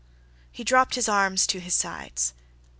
He dropped his arms to his sides.